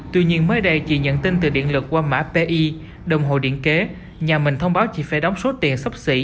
tuy nhiên mới đây chị nhận tin từ điện lực qua mã pi đồng hồ điện kế nhà mình thông báo chị phải đóng số tiền sắp xỉ một tám triệu đồng